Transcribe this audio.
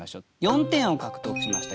４点を獲得しました